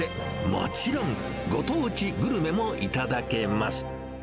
もちろん、ご当地グルメも頂けます。